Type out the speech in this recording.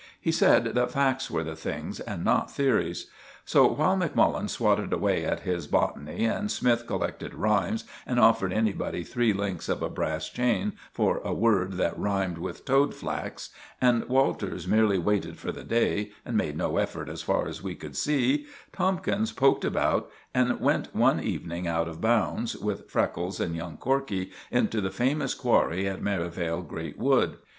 He said that facts were the things, and not theories. So while Macmullen swatted away at his botany, and Smythe collected rhymes and offered anybody three links of a brass chain for a word that rhymed with toad flax, and Walters merely waited for the day, and made no effort as far as we could see, Tomkins poked about, and went one evening out of bounds, with Freckles and young Corkey, into the famous quarry at Merivale Great Wood.